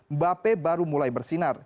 mbappe baru mulai bersinar